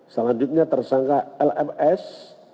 selanjutnya tersangka lms